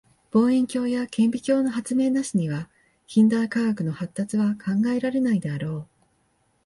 望遠鏡や顕微鏡の発明なしには近代科学の発達は考えられないであろう。